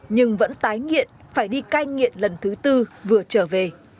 nhưng vẫn tái nghiện phải đi cai nghiện lần thứ tư vừa trở về